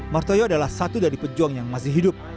martoyo adalah satu dari pejuang yang masih hidup